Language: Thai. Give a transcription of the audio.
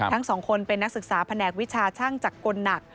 ทั้งสองคนเป็นนักศึกษาแผนกวิชาช่างจักรหนัก